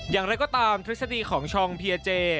อย่างไรก็ตามทฤษฎีของชองเพียเจ